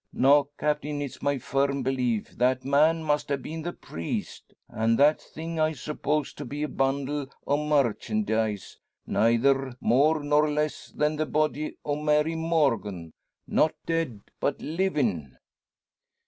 Now, Captain, it's my firm belief that man must ha' been the priest, and that thing, I supposed to be a bundle o' marchandise, neyther more nor less than the body o' Mary Morgan not dead, but livin'!"